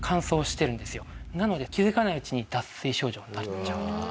なので気づかないうちに脱水症状になっちゃう。